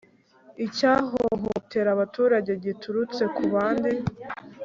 icyahohotera abaturage giturutse ku bandi